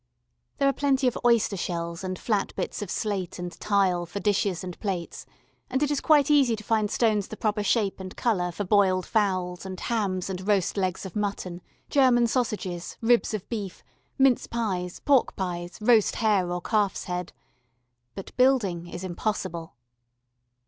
There are plenty of oyster shells and flat bits of slate and tile for dishes and plates and it is quite easy to find stones the proper shape and colour for boiled fowls and hams and roast legs of mutton, German sausages, ribs of beef, mince pies, pork pies, roast hare or calf's head. But building is impossible.